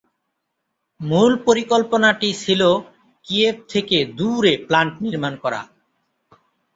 মূল পরিকল্পনাটি ছিল কিয়েভ থেকে দূরে প্ল্যান্ট নির্মাণ করা।